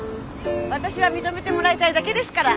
私は認めてもらいたいだけですから。